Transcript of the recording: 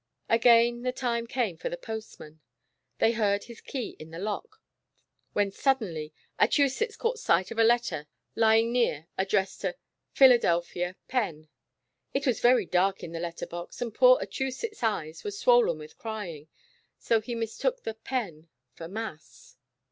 Again the time came for the postman, thev heard his key in the lock, when suddenly Achusetts cauijht slight of a letter King near ad 246 '' Achusetts's Ride to Philadelphia." dressed to '* Philadelphia, Penn." It was very dark in the letter box, and poor Achusetts's eyes were swollen with crying, so he mistook the Peiin for Mass.